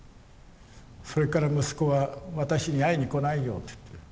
それから息子は私に会いに来ないよと言って。